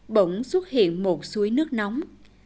bỗng xuất hiện một suối nước nóng